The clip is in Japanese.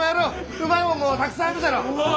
うまいもんもたくさんあるじゃろう！